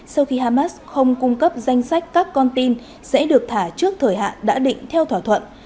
sau khi hamas không cung cấp danh sách các con tin sẽ được thả trước thời hạn đã định theo thỏa thuận